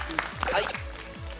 はい。